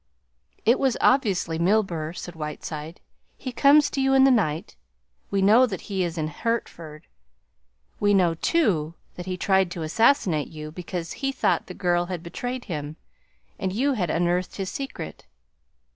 "It was obviously Milburgh," said Whiteside. "He comes to you in the night we know that he is in Hertford. We know, too, that he tried to assassinate you because he thought the girl had betrayed him and you had unearthed his secret.